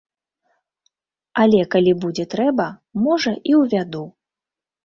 Але калі будзе трэба, можа, і ўвяду.